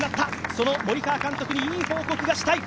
その森川監督にいい報告がしたい。